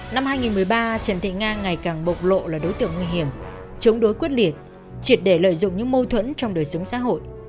năm hai nghìn một mươi ba trần thị nga ngày càng bộc lộ là đối tượng nguy hiểm chống đối quyết liệt triệt để lợi dụng những mâu thuẫn trong đời sống xã hội